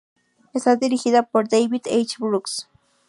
Está dirigida por "David H. Brooks".